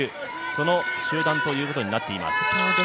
その集団ということになっています。